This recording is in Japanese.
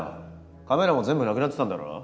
カメラも全部なくなってたんだろ？